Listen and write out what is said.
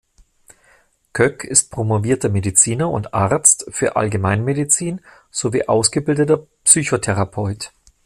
Köck ist promovierter Mediziner und Arzt für Allgemeinmedizin sowie ausgebildeter Psychotherapeut.